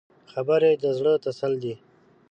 خبرې د زړه تسل دي